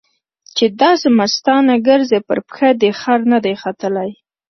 چې داسې مستانه ګرځې؛ پر پښه دې خر نه دی ختلی.